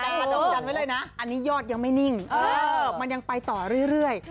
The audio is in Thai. ดวงจันทร์ไว้เลยนะอันนี้ยอดยังไม่นิ่งมันยังไปต่อเรื่อย